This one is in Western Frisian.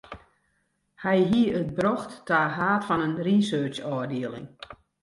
Hy hie it brocht ta haad fan in researchôfdieling.